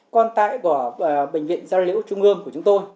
còn tại bệnh viện gia lễu trung ương của chúng tôi